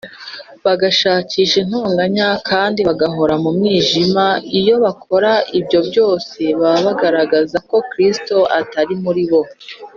bagashakisha intonganya, kandi bagahora mu mwijima iyo bakora ibyo byose baba bagaragaza ko kristo atari muri bo